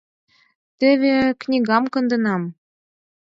Теве, книгам конденам.